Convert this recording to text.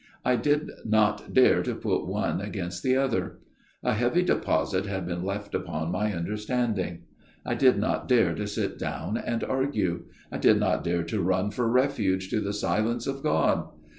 I did not dare to put one against the other. A heavy deposit had been left upon my understanding. I did not dare to sit down and argue ; I did not dare to run for refuge to the Silence of God.